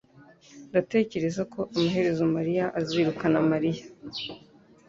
Ndatekereza ko amaherezo mariya azirukana Mariya